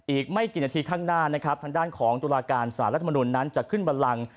อีกไม่กี่นาทีข้างหน้านะครับทางด้านของตุลาการสารรัฐมนุนนั้นจะขึ้นบันลัง